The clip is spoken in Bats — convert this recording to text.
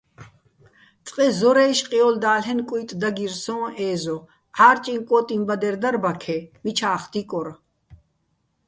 წყე ზორა́ჲში̆ ყიოლდა́ლ'ენო̆ კუ́ჲტი̆ დაგირ სოჼ ე́ზო, ჺა́რჭიჼ კო́ტიჼბადერ დარ ბაქე, მიჩა́ხ დიკორ.